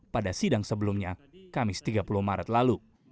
pada sidang sebelumnya kamis tiga puluh maret lalu